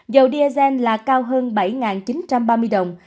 dầu diesel là cao hơn bảy chín trăm ba mươi đồng